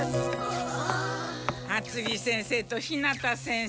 厚着先生と日向先生